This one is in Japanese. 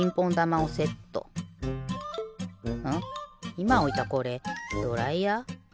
いまおいたこれドライヤー？